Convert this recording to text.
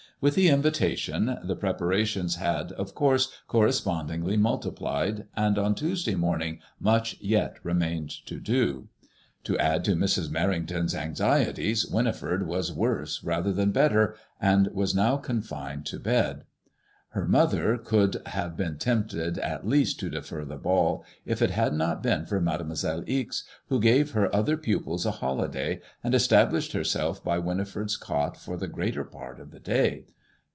With the invitations, the preparations had, of course, correspondingly multi plied, and on Tuesday morning much yet remained to do. To add to Mrs. Merrington's anxieties, Winifred was worse rather than better, and was now confined to bed. Her mother would have been tempted at least to defer the ball, if it had not been for Mademoiselle Ixe, who gave her other pupils a holiday and es* tablished herself by Winifred's cot for the greater part of the day.